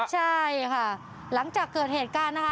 ใช่ค่ะหลังจากเกิดเหตุการณ์นะคะ